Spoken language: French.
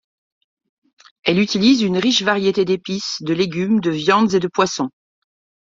Elle utilise une riche variété d'épices, de légumes, de viandes et de poissons.